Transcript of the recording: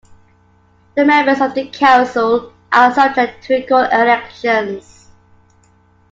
The members of the council are subject to recall elections.